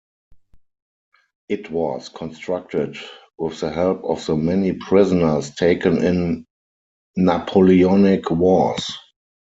It was constructed with the help of the many prisoners taken in Napoleonic Wars.